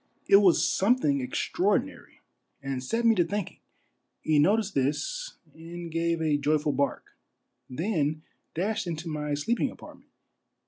It was something extraordinary, and set me to thinking. He noticed this and gave a joyful bark, then dashed into my sleep ing apartment.